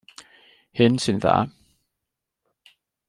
Hyn sy'n dda.